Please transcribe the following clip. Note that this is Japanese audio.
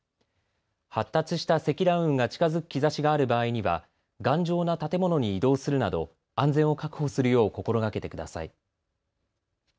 発達した積乱雲が近づく兆しがある場合には頑丈な建物に移動するなど安全を確保するよう心がけてください。